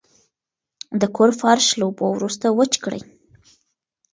د کور فرش له اوبو وروسته وچ کړئ.